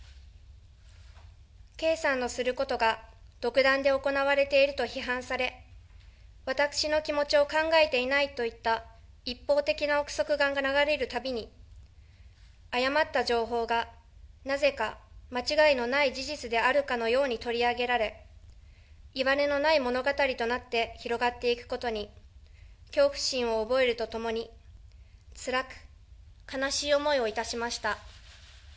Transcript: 圭さんのすることが、独断で行われていると批判され、私の気持ちを考えていないといった一方的な憶測が流れるたびに、誤った情報が、なぜか間違いのない事実であるかのように取り上げられ、いわれのない物語となって広がっていくことに、恐怖心を覚えるとともに、つらく、悲しい思いをいたしました。